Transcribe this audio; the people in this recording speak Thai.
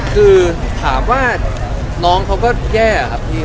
คือถามว่าน้องเขาก็แย่ครับพี่